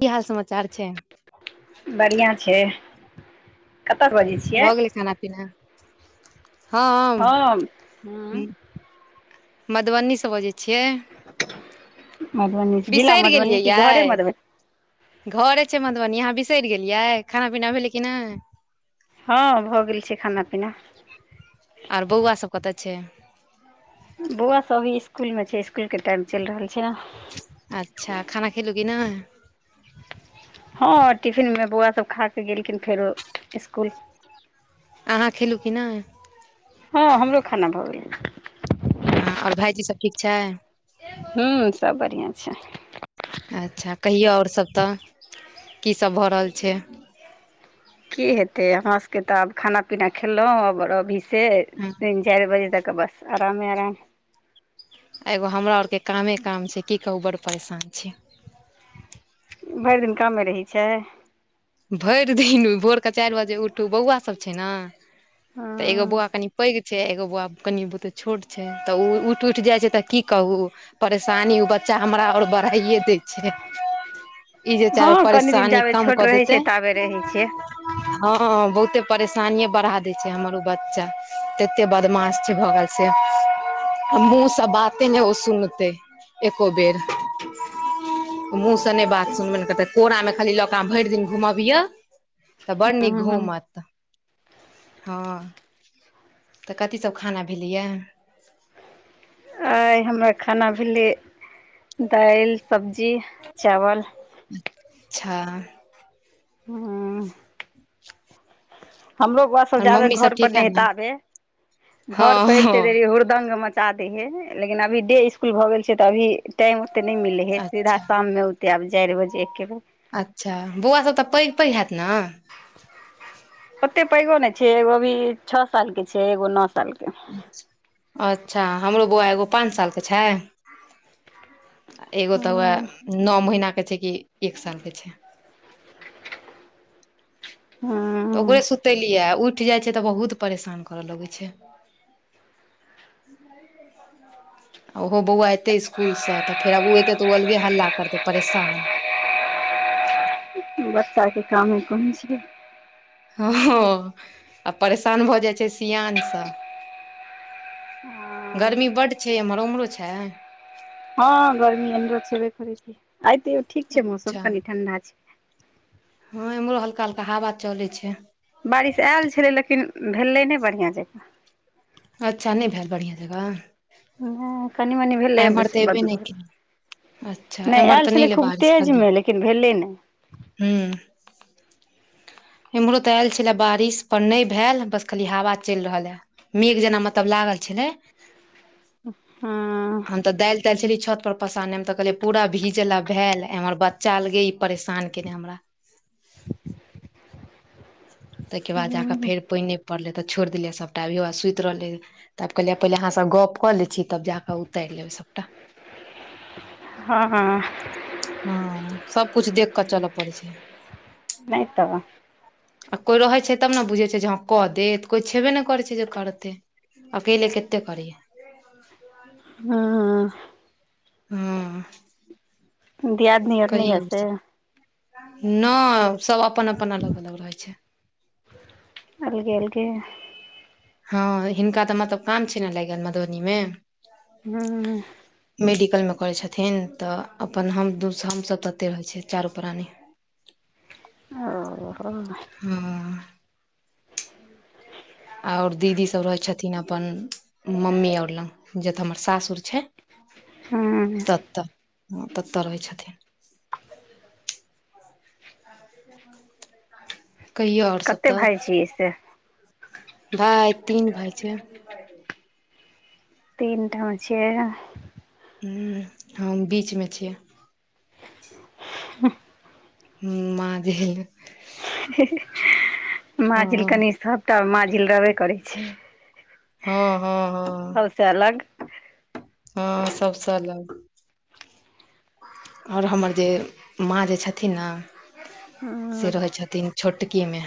की हाल समाचार छै? बढ़िआँ छै। कतऽ बजे छै? भऽ गेलै खाना पीना हम इ मधुबनी से बजै छियै। मधुबनी जिला बिसरि मधुबनी गेलियै कि घरे मधुबनी? यै घरे छै मधुबनी। अहाँ बिसरि गेलियै खाना पीना भेलै कि नहि? हँ भऽ गेल छै खाना पीना। आर बौआसभ कतऽ छै? बौआ सबी इसकुल मे छै इसकुल के टाइम चलि रहल छै ने। अच्छा खाना खेलु की नहि? हँ टिफिनमे बौआ सब खाकऽ गेलखिन फेरो इसकुल। अहाँ खेलू कि नहि? हँ हमरो खाना भऽ गेलै। हँ आओर भाईजी सब ठीक छै। हू सब बढ़िआँ छै। अँच्छा कहियौ और सब तऽ कि सब भऽ रहल छै? कि हेतै हमरा सबके तऽ आब खाना पीना खेलउ आब अभी से हूँ तीन चाइर बजे तक बस आरामे आराम। एगो हमरा आरके कामे काम छै, की कहू बड़ परेशान छियै। भैर दिन कामे रहै छै? भैर दिन, भोरके चाइर बजे उठू, बौआ सब छै न? तऽ एगो बौआ कनि पैघ छै। छै, एगो बौआ कनि बहुते छोट छै तऽ ओ उइठ उइठ जाइ छै तऽ कि कहू? परेशानी उ बच्चा हमरा और बड़हाइए दै छै। इ जे चाहबै हँ कनि दिन परेशानी जाबे कम छोट कऽ रहै देतै। छै ताबे रहै छियै हाँ बहुते परेशानिये बड़हा दै छै, हमर ओ बच्चा तते बदमाश छै भऽ रल। से मुंह से बाते नै ओ सुनतै एको बेर। मुँह से नै बात सुनबै नै करतै, कोरा मे खाली लक भैर दिन घूमबियो तऽ बड़ निक घूमत। हाँ तऽ कथी सब खाना भेलैये? आइ हमरा खाना भेलै दाइल, सब्जी, चावल। अच्छा हां हमरो बौआ सब जाबे मम्मी घर सब पर ठीक है ने नैहैताबे घर हँ परे एबते हँ देरी हुर्दंग तादिहेन लेकिन अभी डे स्कूल भऽ गेल छै, तऽ अभी टाइम ओते नै मिलै हइ सीधा अच्छा शाममे त आब चाइर बजे एके बेर। अँच्छा बौआ सब तऽ पैघ पैघ हैत न? ओते पैघो नै छै एगो अभी छ साल के छै एगो नौ साल के। अँच्छा हमरो बौआ एगो पाँच साल के छै। एगो तऽ वैह नौ महीनाके छै कि एक सालके छै। तऽ ओकरे हँ सुतेलिए उइठ जाइ छै तऽ बहुत परेशान करअ लगै छै। ओहो बौआ तै स्कूल से तऽ फेर आब ओ एतै तऽ ओ अलगे हल्ला करते परेशान बच्चा के कामे कोन छियै? हाँ आ परेशान भऽ जाइ छै सियानसँ। गर्मी बड्ड छै एमहर, ओमहरो छै? हाँ गर्मी एमहरो छेबे करै कि आइ तैयो ठीक छै मौसम अच्छा कनि ठंडा छै। हाँ एमहरो हल्का हल्का हवा चलै छै। बारिश ए ल छलै लेकिन भेलै नै बढ़ियाँ जकाँ। अच्छा नै भैल बढ़ियाँ जकाँ। नै कनि मनि भेलै एम्हर बस तऽ एबे बंद नहि भगेलै। केलै अच्छा नै एम्हर आएल तऽ नहि छलै एलै खुब तेजमे लेकिन भेलै नै। ह्म्म इमहरो त आएल छले बारिश पर नै भेल बस खाली हवा चैल रहल हेँ। मेघ जेना मतलब लागल छलै। हां हम तऽ दाइल ताइल छली छत पर पसारने हम तऽ कहलियै पूरा भीजल आब भैल एमहर बच्चा अलगे इ परेशान केने हमरा। तैके बाद जा कऽ फेर पाइन नै पड़लै तऽ छोइड़ देलियै सबटा अब बौआ सुति रहलै। तब कहलियै पहिले अहाँस गप कऽ लै छी तब जा कऽ उतार लेबै सबटा। हाँ हाँ हाँ, सबकुछ देख कऽ चलऽ पड़ै छै। नै त आ कोइ रहै छै तब ने बुझै छै जे हाँ कऽ दे तऽ कोइ छेबे नै करै छै जे करतै। अकेले केते करियै? हुं। हुं। दीयादिनी आर नहि यै से नहि सब अपन अपन अलग अलग रहै छै। अलगे अलगे। हँऽ हिनका तऽ मतलब काम छैय ने लागि गेल मधुबनीमे। हूॅं। मेडिकलमे करै छथिन तऽ अपन हम दू हमसभ अते रहै छियै चारू प्राणी। ओ हुं। ह [inaudible] और दीदीसभ रहै छथिन अपन मम्मी और लंग जतऽ हमर सासुर छैय। हँ ततऽ ततऽ रहै छथिन। कहियौ आओर सब कते तऽ। भाय छियै से भाय तीन भाई छै। [unintelligible] तीन ठम छीये। हूं हम बीच में छियै। हुंह। हूं माझील। हँ माझील कनि सबटा मे माझील रहबे करै छै। हँ हँ हँ सबसँ अलग हँ सबस अलग। और हमर जे माँ जे छथिन ने से हँ रहै छथिन छोटकीमे।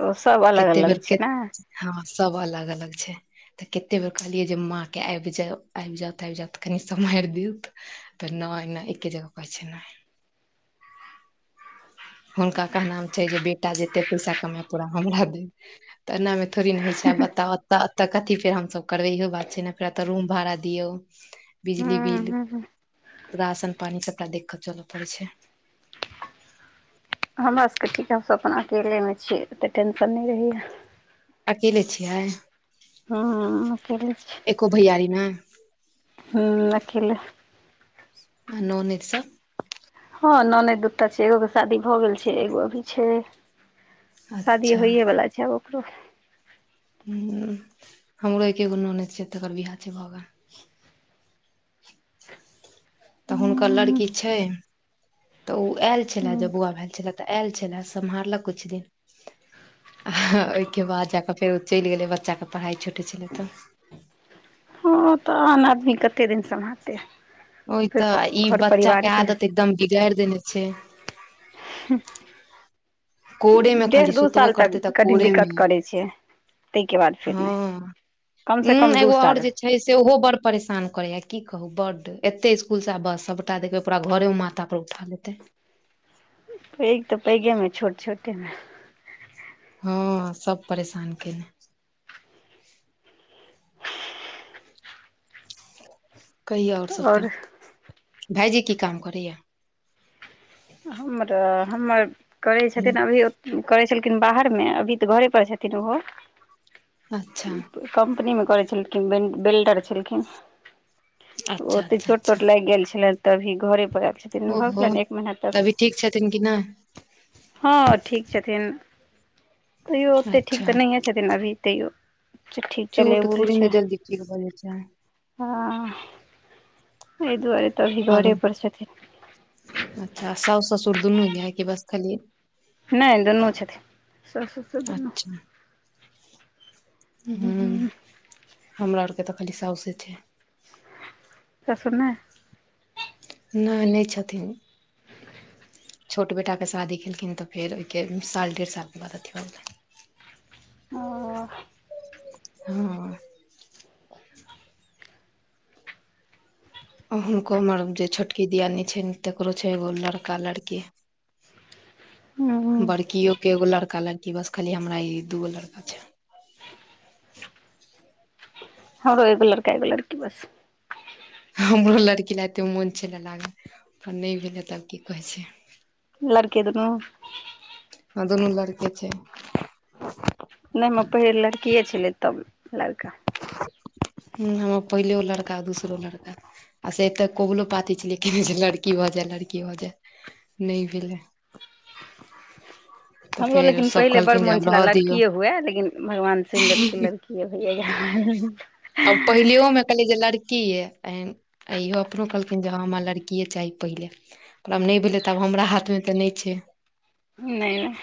ओ सब अलग कते अलग बेर छि के ने। हँ सब अलग अलग छैय। तऽ कतेक बेर कहलियै जे माँके आबि जाउ आबि जाउथ आबि जाउथ तऽ कनि सम्हारि दउथ। तऽ नहि नहि एके जगह कहै छै नहि। हुनका कहनाम छैय जे बेटा जेते पैसा कमाय पूरा हमरा दे तऽ एनामे थोड़ी ना होइ छैय बता त एतऽ कथि फेर हमसब करबै इहो बात छैय ने फेर एतऽ रूम भाड़ा दियौ। बिजली हँ बिल हँ राशन पानी सबटा देख क चलऽ पड़े छै। हमरा सभके ठीक अइ हमसब अपन अकेलेमे छीय ओते टेंशन नहि रहैया। अकेले छियै? हम अकेले छी। एको भैयारी नै। हुं अकेले। आ नोनैद सब। हँ नोनैद दूटा छै एगो के शादी भऽ गेल छैय एगो अभी छैय। शादीये अच्छा होइए बला छै आब ओकरो। हुं हमरो एकेगो नऽनैद छै तकर बिआह छै भऽ गेल। तऽ हुनकर हूँ लड़की छैय तऽ ओ आयल छले जब बौआ भाल छले तऽ ऐल छलए सम्हारलक कुछ दिन आ ओहिके बाद जा कऽ फेर ओ चलि गेलै बच्चाके पढ़ाइ छुटै छलै तऽ। हॅं तऽ आन आदमी कते दिन सम्हारतै। ओहि फेर तऽ, ई घर बच्चा परिवार के हेतै आदत एकदम बिगाड़ि देने छैय। हू कोरे मे डेढ़ खाली दू सुतबो साल तक करतै तऽ कनी कोरे मे दिक्कत करै छै। तहि के बाद फेर नहि, हँ कम से कम दू साल नहि। नहि से ओहो बड़ परेशान करै हैं, की कहू बड्ड एत्ते स्कुल सऽ आ बस, सबटा देखबै पूरा घरे उ माथा पर उठा लेतै। पैघ त पैघेमे, छोट-छोटे मे। हँ सब परेशान कने कहिया आओर सब तहन, भाईजी की काम करैया। हम र-हमर करै छथिन अभी ओ करै छलखिन बाहरमे, अभी तऽ घरे पर छथिन ओहो अच्छा। कम्पनी मे करै छलखिन, बिन बिल्डर छलखिन। अच्छा ओते अच्छा अच्छा चोट-तोट लागि गेल छलैन, त‌ अभी घरे पर आयल छथिन, भऽ गेलनि एक महीना। तक त‌ अभी ठीक छथिन कि नहि। हँ ठीक छथिन, तैयो ओते ठीक अच्छा तऽ नहिये छथीन अभी तैयो। ठीक चलै चोट बुल थोड़े न छै जल्दी ठीक भऽ जाइ छय। हँ तहि दुआरे तऽ अभी आरो घरे पर छथिन। अच्छा साउस, ससुर दुनू ध्हय की बस खाली नहि दुनू छथिन साउस, ससुर दुनू। हम्म हमरा आरके तऽ खाली साौंसे छै। ससुर नहि। नहि-नहि छथिन। छोट बेटाकेँ शादी केलखिन, त फेर ओहिके साल डेढ़ सालके बाद अथी भऽ गेलनि। हँ। हँ। हुनको हमर जे छोटकी दियानी छैने, तकरो छै एगो लड़का, लड़की। बड़कीयो के एगो लड़का, लड़की, बस खाली हमरा ई दूगो लड़का छै। हमरो एगो लड़का एगो लड़की बस। हमरो लड़की लए एते मोन छले लागल, पर नहि भेले त आब की कहे छि। लड़के दुनू। हं दुनू लड़के छै। नहि हमर पहिल लड़किये छलै, तब लड़का। हम्म हमर पहिलहो लड़का दूसरो लड़का। आ से एतऽ कबलो-पाती छलिये केने, जे लड़की भऽ जैं लड़की भऽ जैं। नहि भेलै। तऽ हमरो फेर लेकिन सब पहिले बड़ कहलखिन जे मोन आब छले रहऽ दियौ लड़कीये हुए, लेकिन भगवान सुनि लेलकय लड़ के अबै यैं यार। हम पहिलेओमे कहलियै जे लड़की ए, तहन इहो अपनो कहलखिन जे हँ हमरा लड़किए चाही पहिले। आब नहि भेलै तऽ, आब हमरा हाथमे तऽ नहि छै। नहि-नहि,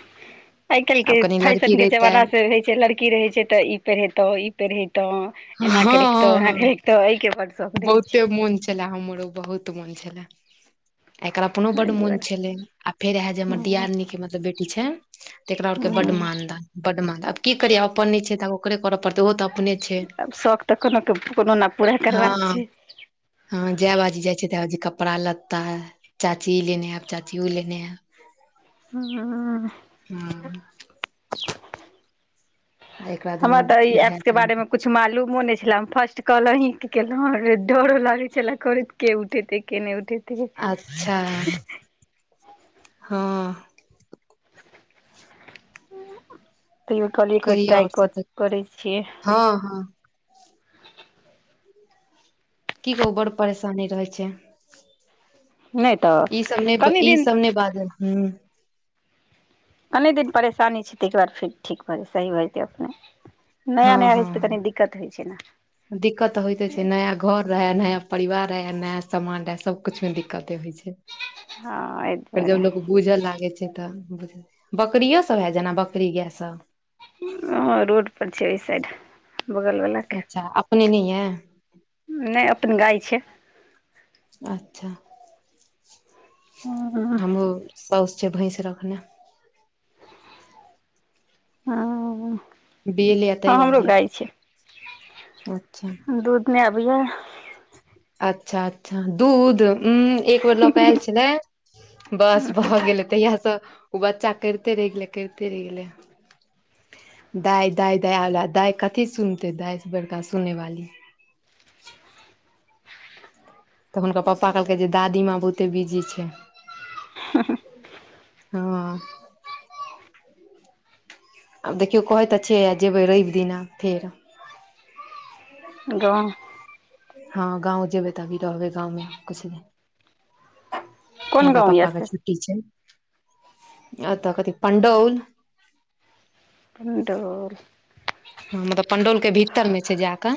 आइ काल्हि आब के कनि लड़की फैशन के रहितै जमाना से होइ छै लड़ की रहै छै तऽ ई पहिरेतौं ई हँ पहिरतौं। एना के रखितौ, हँ एना हँ के रखितौ, एहि के बड शौखक रहै छै। तय लै हमरो बहुत मोन छलै। एकर अपनो एहि बड मोन दुआरे छलै, आ फेर रहै जे हमर हँ दियादनीके मतलब बेटी छैन। तेकरा ओरके बड हँ मान-दान बड मान-दा आब की करियै अपन नैय छै तऽ आब ओकरे करऽ पड़तै ओहो तऽ अपने छैय। आब शौक तऽ कोनो के कोनो न हँ हँ जए बाजी जाइ छैय तै बाजी कपड़ा-लत्ता चाची ई लेने एब चाची उ लेने ए हम्म। हूं। आ एकरा दुनू भै के किछ मालूमो नैय छलै हम फर्स्ट कॉल अहींके केलौंहुँ डरो लगै छेलै करैत के उठेतै के नैय उठेतै। आच्छा हँ। तैयो कहलियै एक बेर कहियौ ट्रीइ आओर सब कऽ तऽ करै छियै। हँ हँ। की कहू बड़ परेशानी रहै छै। नहि तऽ ई सब नैय ब कनि ई दिन सब नैय बाजल हूं। कने दिन परेशानी छैय तयके बाद फेर ठीक भऽ जेतै सही भऽ जेतै अपने हँ नया-नया हँ रहै छै तऽ कनी हँ दिक्कत होइ छै दिक्कत तऽ होइते न। छै नया घर रहै नया परिवार रहै नया समान रहै सबकुछ में दिक्कते होइ छैय। हँ एयदुआरे बूझऽ लागै छैय तऽ बकरियो सब है जेना बकरी गैय सब। हँ रोड पर छै एय साइड बगलवला अच्छा अपने नैय यै? नैय अपन गाय छैय। अच्छा। हँ। हमरो साउस छै भैंस रखने। हँ बिएल यै हँ तै हमरो बाजैयै गाय छै अच्छा दू नैय आबेया? अच्छा-अच्छा दूध उंम्म एक बेर लऽ केऽ एल छेलै बस भऽ गेलै तहिया स ओ बच्चा कैरते रैह गेलै कैरते रैह गेलै। दाइ दाइ दाइ आला दाइ कथी सुनतै दाइसँ बड़का सुनैवाली। तऽ हुनकर पप्पा कहलकै जे दादीमाँ बहुते बिजी छै। हँ। आब देखियौ कहै तऽ छै आ जेबै रैब दिना फेर। गांव? हँ गाँव जेबै तऽ अभी रहबै गाँवमे कुछ दिन। कोन हिनकर गाँव यऽ पप्पा के से छु ट्टी छैन अतऽ कथि पंडौल पण्डौल हँ मतलब पंडौल के भीतर में छै जाकऽ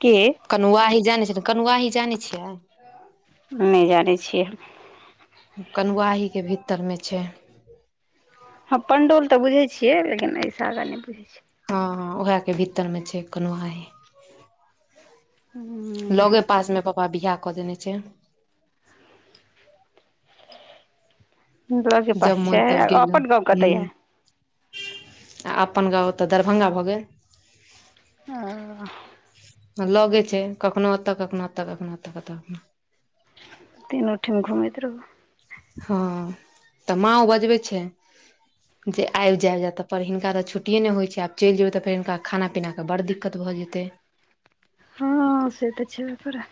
के कनुआही जानै छ तऽ कनुआही जानै छियै? नैय जानै छियै। कनुआहीके भीतरमे छै। हँ पण्डौल तऽ बुझै छियै लेकिन ऐसऽ आगा नैय बुझै छियै। हँ हँ ओहै के भीतर में छै कनुआही। हू लगे पास मे पप्पा बियाह कऽ देने छै। लगे पास जब मोन छै तब गेलहु अपन गाँव कतऽ हूं। यऽ आ अपन गाँव ओतऽ दरभंगा भऽ गेल। हँ। लाॅगै छै कखनो ओतऽ कखनो ओतऽ कखनो ओतऽ तीन ठीम घुमैत रहु। हँ तऽ माँ ओ बजबै छै जे आइब जाब अतऽ पर हिनका तऽ छट्टिए नहि हो छै आब चलि जेबै तऽ फेर हिनका खाना पीना तऽ बड़ दिक्कत भऽ जेतै। हँ से तऽ छेबे करै।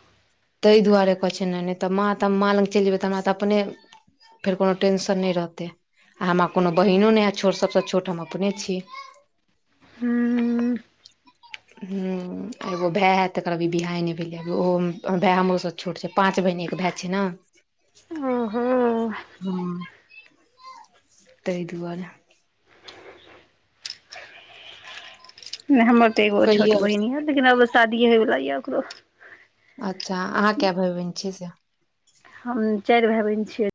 ताहि दुआरे कहै छै नय नहि तऽ माँ तऽ माँ लग चलि जेबैय त हमरा तऽ अपने फेर कोनो टेंशन नहि रहतै आ हमरा कोनो बहिनो नई है छोट सभसँ छोट हम अपने छी। हूँ। हुं एगो भाय है तेकर अभी बियाहे नहि भेलैया ओहो भाइ हमरो स छोट छै पाँच बहिनेे भाइ छै ना। ओहो। हँ तहि दुआरे। नहि हमर तऽ एगो छोट कहियौ बहिन य लेकिन आब शादीये होय वाला य ओकरो। अच्छा अहाँ कए भा बहिन छी से? हम चारि भा बहिन छियै।